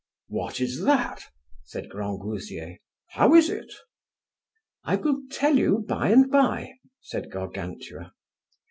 What is that? said Grangousier, how is it? I will tell you by and by, said Gargantua.